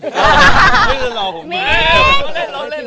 ไม่ลืมรอผมมา